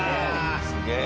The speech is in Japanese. すげえ。